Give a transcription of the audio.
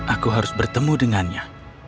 aku harus bertemu dengannya